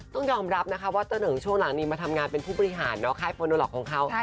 ต้องยอมรับนะคะว่าเตอร์เหิงช่วงหลังนี้มาทำงานเป็นผู้บริหารค่ายโปรโนล็อกของเขา